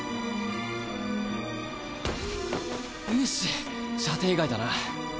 うっし射程外だな。